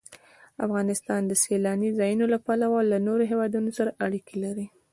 افغانستان د سیلانی ځایونه له پلوه له نورو هېوادونو سره اړیکې لري.